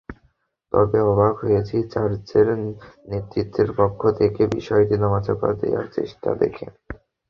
তবে অবাক হয়েছি চার্চের নেতৃত্বের পক্ষ থেকে বিষয়টি ধামাচাপা দেওয়ার চেষ্টা দেখে।